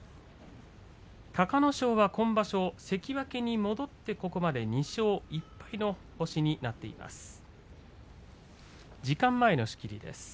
隆の勝は今場所関脇に戻ってここまで２勝１敗の星になっています。